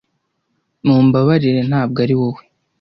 mumbabarire ntabwo ari wowe